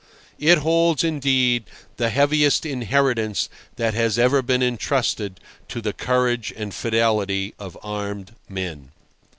It holds, indeed, the heaviest inheritance that has ever been entrusted to the courage and fidelity of armed men.